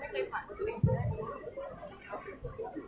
เวลาแรกพี่เห็นแวว